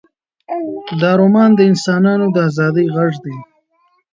دا رومان د انسانانو د ازادۍ غږ دی.